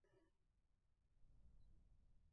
ئەو جووچکە لە هێلانەوە کەوتووە